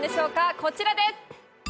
こちらです。